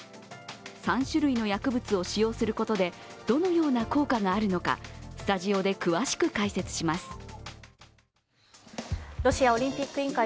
３種類の薬物を使用することでどのような効果があるのか、スタジオで詳しく解説します。